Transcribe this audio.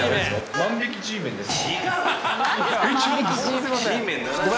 万引きＧメンですか？